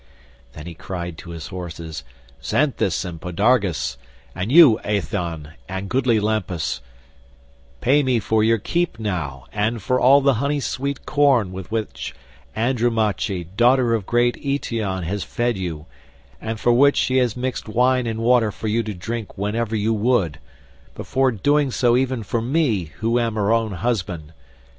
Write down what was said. Then he cried to his horses, "Xanthus and Podargus, and you Aethon and goodly Lampus, pay me for your keep now and for all the honey sweet corn with which Andromache daughter of great Eetion has fed you, and for she has mixed wine and water for you to drink whenever you would, before doing so even for me who am her own husband.